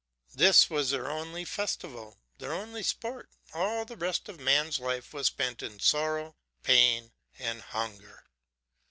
This was their only festival, their only sport; all the rest of man's life was spent in sorrow, pain, and hunger.